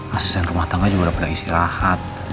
asisten rumah tangga juga udah pernah istirahat